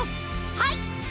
はい！